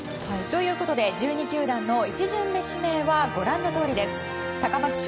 １２球団の１巡目指名はご覧のとおりです。